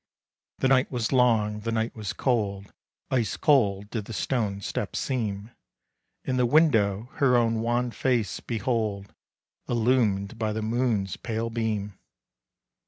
The night was long, the night was cold, Ice cold did the stone steps seem. In the window her own wan face, behold! Illumed by the moon's pale beam.